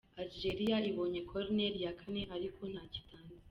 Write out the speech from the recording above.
Algeria ibonye corner ya kane ariko ntacyo itanze.